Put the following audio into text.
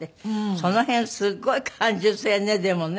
その辺すごい感受性ねでもね。